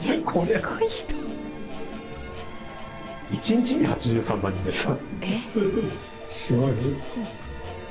１日に８３万人ですか。